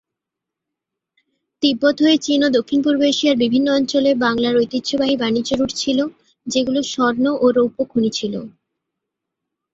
তিব্বত হয়ে চীন ও দক্ষিণ-পূর্ব এশিয়ার বিভিন্ন অঞ্চলে বাংলার ঐতিহ্যবাহী বাণিজ্য রুট ছিল, যেগুলো স্বর্ণ ও রৌপ্য খনি ছিল।